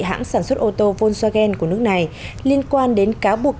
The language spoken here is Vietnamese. hãng sản xuất ô tô volsage của nước này liên quan đến cáo buộc